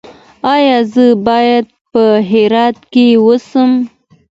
ایا زه باید په هرات کې اوسم؟